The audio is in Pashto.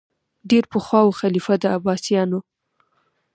ډېر پخوا وو خلیفه د عباسیانو